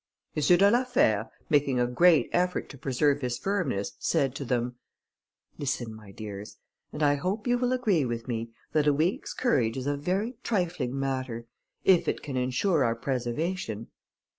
M. de la Fère, making a great effort to preserve his firmness, said to them: "Listen, my dears, and I hope you will agree with me, that a week's courage is a very trifling matter, if it can insure our preservation.